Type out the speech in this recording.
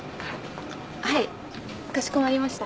はいかしこまりました。